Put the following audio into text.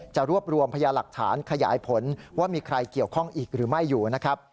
จะรวบรวมพยาหลักฐานขยายผลว่ามีใครเกี่ยวข้องอีกหรือไม่อยู่นะครับ